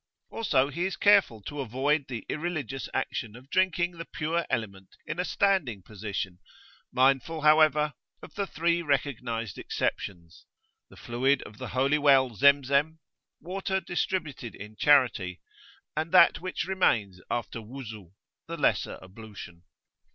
Also he is careful to avoid the irreligious action of drinking the pure element in a standing position, mindful, however, of the three recognised exceptions, the fluid of the Holy Well Zemzem, water distributed in charity, and that which remains after Wuzu, the lesser ablution.